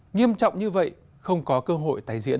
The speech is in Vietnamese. nghiêm trọng như vậy không có cơ hội tái diễn